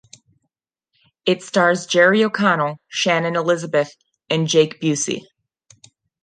It stars Jerry O'Connell, Shannon Elizabeth, and Jake Busey.